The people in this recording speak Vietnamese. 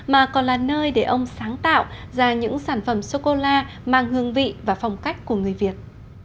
mà còn là nơi để ông sáng tạo ra những sản phẩm sô cô la mang hương vị và phong cách của người việt